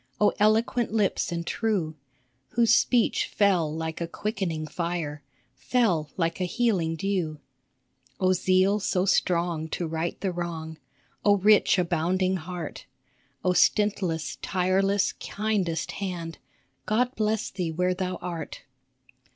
Oh eloquent lips and true, Whose speech fell like a quickening fire, Fell like a healing dew ! Oh zeal so strong to right the wrong, Oh rich, abounding heart ! Oh stintless, tireless, kindest hand, God bless thee where thou art